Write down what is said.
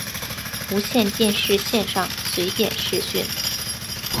无线电视线上随点视讯